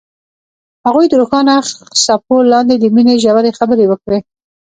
هغوی د روښانه څپو لاندې د مینې ژورې خبرې وکړې.